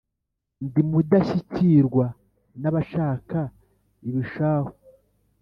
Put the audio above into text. Ndi Mudashyikirwa n'abashaka ibishahu,